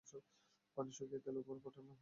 পানি শুকিয়ে তেল ওপর উঠলে নামিয়ে নিন।